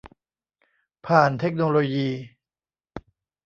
ผ่านเทคโนโลยี